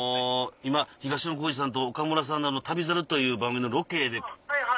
今東野幸治さんと岡村さんの『旅猿』という番組のロケで。